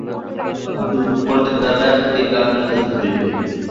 যুবকগণের দ্বারা এই কার্য সাধিত হইবে।